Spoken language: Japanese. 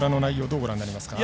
どうご覧になりますか。